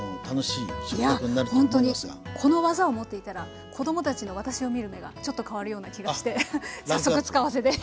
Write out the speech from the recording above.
いやほんとにこの技を持っていたら子どもたちの私を見る目がちょっと変わるような気がしてあっランクアップ。